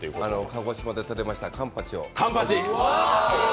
鹿児島でとれましたカンパチを。